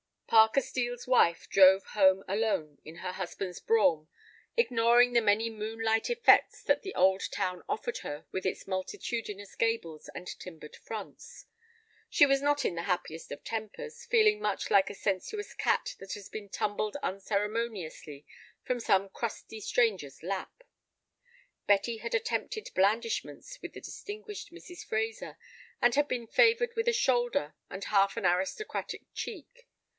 Parker Steel's wife drove home alone in her husband's brougham, ignoring the many moonlight effects that the old town offered her with its multitudinous gables and timbered fronts. She was not in the happiest of tempers, feeling much like a sensuous cat that has been tumbled unceremoniously from some crusty stranger's lap. Betty had attempted blandishments with the distinguished Mrs. Fraser, and had been favored with a shoulder and half an aristocratic cheek.